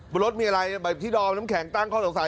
บนรถมีอะไรแบบที่ดอมน้ำแข็งตั้งข้อสงสัย